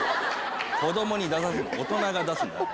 子供に出させるな大人が出すんだよ。